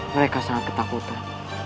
mereka sangat ketakutan